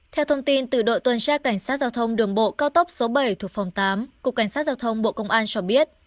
theo thông tin từ đội tuần tra cảnh sát giao thông đường bộ cao tốc số bảy thuộc phòng tám cục cảnh sát giao thông bộ công an cho biết